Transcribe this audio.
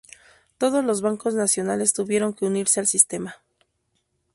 Todos los bancos nacionales tuvieron que unirse al sistema.